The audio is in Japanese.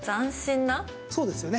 そうですよね。